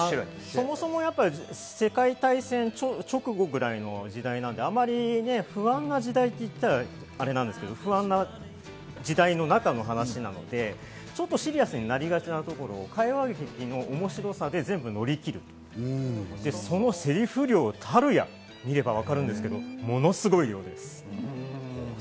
そもそも世界大戦直後ぐらいの時代なので、不安な時代って言ったらアレですが、不安な時代の中での話なのでシリアスになりがちなところを会話劇の面白さで全部乗り切る、そのセリフ量たるや見ればわかるんですけれど、ものすごい量です。